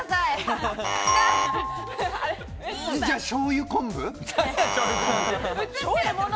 じゃあ、しょうゆ昆布？